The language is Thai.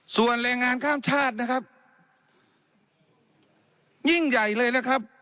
ส่วนแรงงานข้ามชาตินะครับยิ่งใหญ่เลยนะครับ